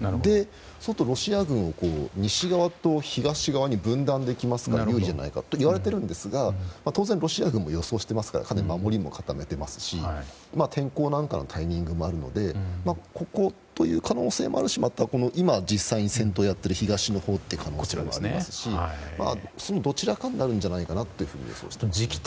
そうするとロシア軍を西側と東側に分断できるためいいんじゃないかといわれていますが当然、ロシア軍は予想していますから守りも固めていますし天候なんかのタイミングもあるのでここという可能性もあるしまた今、実際に戦闘している東の可能性もありますしそのどちらかになるんじゃないかと予想しています。